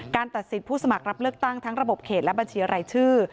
ตัดสิทธิ์ผู้สมัครรับเลือกตั้งทั้งระบบเขตและบัญชีรายชื่อ